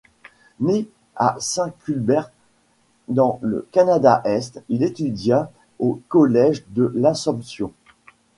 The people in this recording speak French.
Né à Saint-Cuthbert dans le Canada-Est, il étudia au Collège de L'Assomption.